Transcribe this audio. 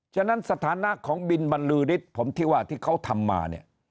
ฉะนั้นสถานะของบินบรรลือฤทธิ์ผมที่ว่าที่เขาทำมาเนี่ย